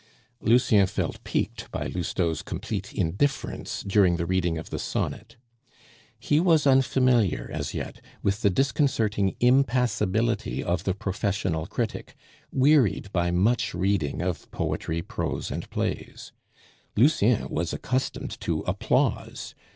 Lucien felt piqued by Lousteau's complete indifference during the reading of the sonnet; he was unfamiliar as yet with the disconcerting impassibility of the professional critic, wearied by much reading of poetry, prose, and plays. Lucien was accustomed to applause.